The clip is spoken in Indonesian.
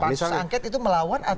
pansus angket itu melawan atau